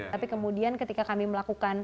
tapi kemudian ketika kami melakukan